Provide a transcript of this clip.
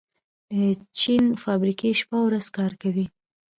د چین فابریکې شپه او ورځ کار کوي.